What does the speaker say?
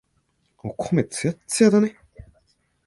お米、つやっつやだね。